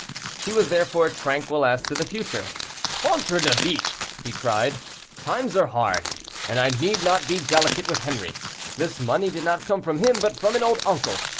He was therefore tranquil as to the future. This morning on opening his store, "Ventre de biche!" he cried, "times are hard, and I need not be delicate with Henri. This money did not come from him, but from an old uncle.